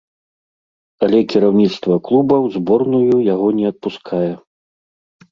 Але кіраўніцтва клуба ў зборную яго не адпускае.